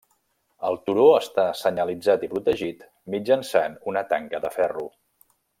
El turó està senyalitzat i protegit mitjançant una tanca de ferro.